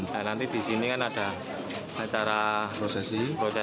dan nanti disini kan ada acara prosesi